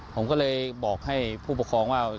ผมก็เลยบอกให้ผู้ปกครองว่า